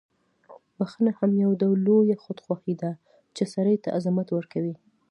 بخښنه هم یو ډول لویه خودخواهي ده، چې سړی ته عظمت ورکوي.